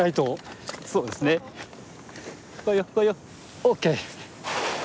ＯＫ。